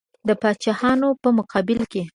د پاچاهانو په مقابل کې.